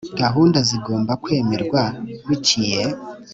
gahunda zigomba kwemerwa biciye